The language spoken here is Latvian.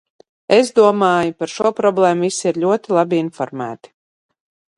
Es domāju, par šo problēmu visi ir ļoti labi informēti.